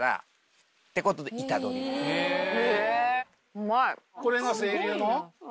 うまい。